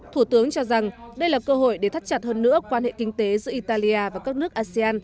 thủ tướng cho rằng đây là cơ hội để thắt chặt hơn nữa quan hệ kinh tế giữa italia và các nước asean